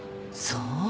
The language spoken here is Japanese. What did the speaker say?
そう。